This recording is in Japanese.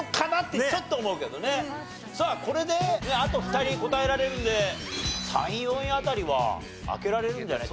さあこれであと２人答えられるんで３位４位辺りは開けられるんじゃない？